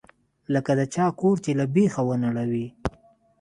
لکه د چا کور چې له بيخه ونړوې.